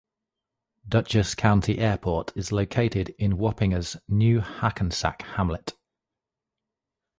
Dutchess County Airport is located in Wappinger's New Hackensack hamlet.